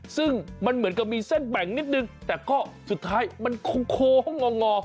ซึ่งมันเหมือนกับมีเส้นแบ่งนิดนึงแต่ก็สุดท้ายมันโค้งงองอ